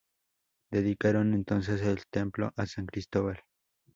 Dedicaron entonces el templo a San Cristóbal.